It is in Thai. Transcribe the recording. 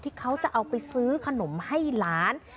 เขาจะเอาไปซื้อขนมให้หลาน